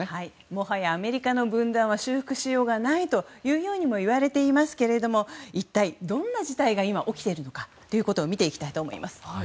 もはやアメリカの分断は修復しようがないともいわれていますが一体どんな事態が今起きているのかを見ていきたいと思います。